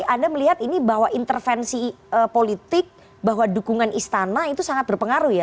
anda melihat ini bahwa intervensi politik bahwa dukungan istana itu sangat berpengaruh ya